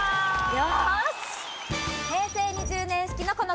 よし！